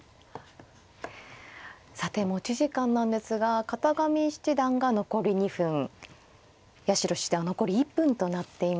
さて持ち時間なんですが片上七段が残り２分八代七段が残り１分となっています。